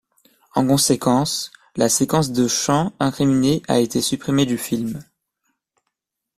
En conséquence, la séquence de chants incriminée a été supprimée du film.